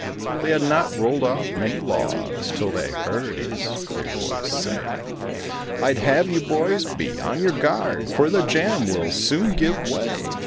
They had not rolled off many logs 'till they heard his clear voice say, "I'd have you boys be on your guard, for the jam will soon give way."